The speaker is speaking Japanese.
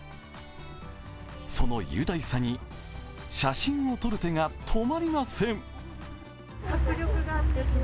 その雄大さに写真を撮る手が止まりません。